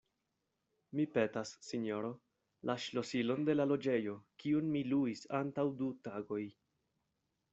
Mi petas, sinjoro, la ŝlosilon de la loĝejo, kiun mi luis antaŭ du tagoj.